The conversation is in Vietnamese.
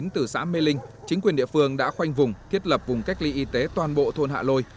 từ xã mê linh chính quyền địa phương đã khoanh vùng thiết lập vùng cách ly y tế toàn bộ thôn hạ lôi